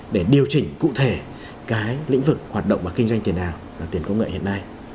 để điều chỉnh cụ thể cái lĩnh vực hoạt động kinh doanh tiền ảo và tiền công nghệ hiện nay